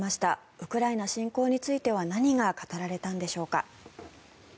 ウクライナ侵攻については何が語られたのでしょうか。